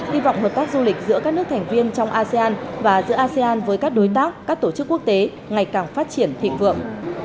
hy vọng hợp tác du lịch giữa các nước thành viên trong asean và giữa asean với các đối tác các tổ chức quốc tế ngày càng phát triển thịnh vượng